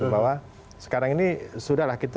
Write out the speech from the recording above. bahwa sekarang ini sudah lah kita